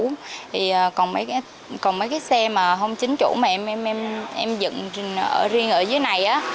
thì còn mấy cái xe mà không chính chủ mà em dựng riêng ở dưới này